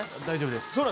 大丈夫です。